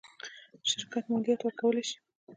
شرکت مالیات ورکولی شي.